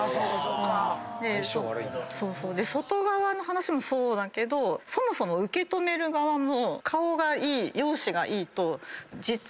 外側の話もそうだけどそもそも受け止める側も顔がいい容姿がいいと。